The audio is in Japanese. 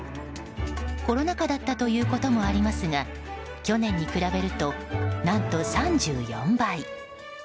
コロナ禍だったということもありますが去年に比べると何と３４倍。